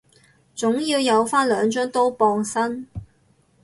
總要有返兩張刀傍身